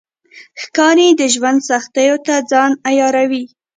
ښکاري د ژوند سختیو ته ځان عیاروي.